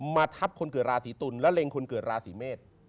ทับคนเกิดราศีตุลและเล็งคนเกิดราศีเมษ